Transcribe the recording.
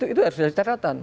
itu harus dari cerita